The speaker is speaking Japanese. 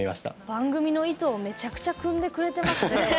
番組の意図をめちゃくちゃくんでくれてますね。